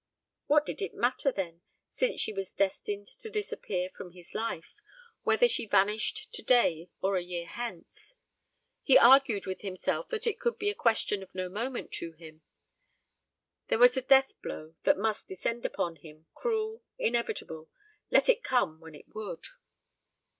What did it matter, then, since she was destined to disappear from his life, whether she vanished to day or a year hence? He argued with himself that it could be a question of no moment to him. There was a death blow that must descend upon him, cruel, inevitable. Let it come when it would.